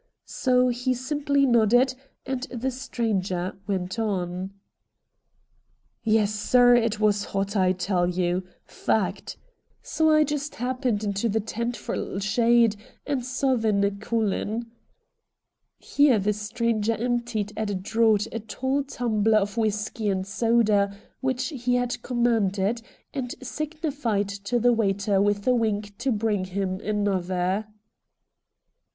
So he simply nodded, and the stranger went on. 40 RED DIAMONDS 'Yes, sir, it was hot, I tell you. Fact. So I just happened into the tent for a little shade, and sothin' ccolin'.' Here the stranger emptied at a draught a tall tumbler of whisky and soda which he had commanded, and signified to the waiter with a wink to bring him another.